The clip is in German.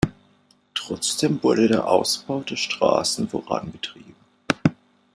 Trotzdem wurde der Ausbau der Straßen vorangetrieben.